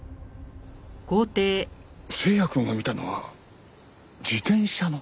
星也くんが見たのは自転車の？